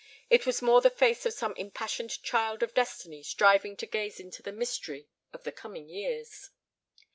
It was more the face of some impassioned child of destiny striving to gaze into the mystery of the coming years.